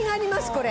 これ。